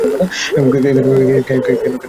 কেন সে আঁড়ি পেতে শুনবে?